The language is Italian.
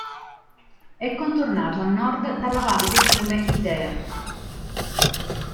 È contornato a nord dalla valle del fiume Isère.